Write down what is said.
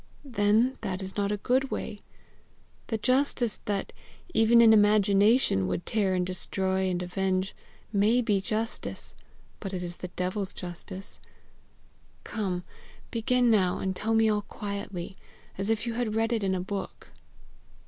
"Then that is not a good way. The justice that, even in imagination, would tear and destroy and avenge, may be justice, but it is devil's justice. Come, begin now, and tell me all quietly as if you had read it in a book."